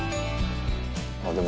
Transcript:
あっでも。